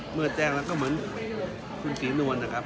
เหมือนคุณศรีนวลนะครับ